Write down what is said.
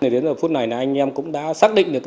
đến phút này anh em cũng đã xác định được